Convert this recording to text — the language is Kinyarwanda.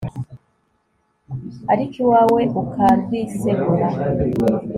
ariko iwawe ukarwisegura